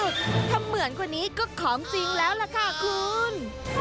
ถ้าเหมือนคนนี้ก็ของจริงแล้วล่ะค่ะคุณ